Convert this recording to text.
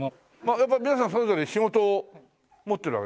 やっぱ皆さんそれぞれ仕事を持ってるわけですよね？